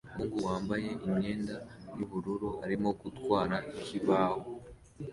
Umuhungu wambaye imyenda yubururu arimo gutwara ikibaho